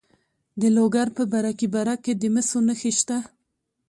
د لوګر په برکي برک کې د مسو نښې شته.